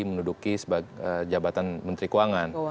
menduduki sebagai jabatan menteri keuangan